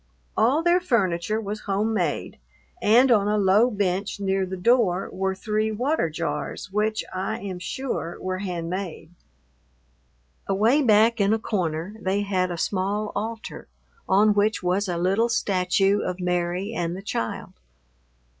All their furniture was home made, and on a low bench near the door were three water jars which, I am sure, were handmade. Away back in a corner they had a small altar, on which was a little statue of Mary and the Child.